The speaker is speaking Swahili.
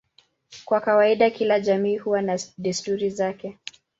Kwa kawaida kila jamii huwa na desturi zake.